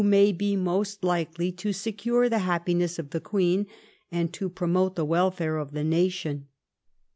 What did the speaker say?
101 may be most likely to secnre the happiness of the Qaeen and to pro mote the welfare of the nation.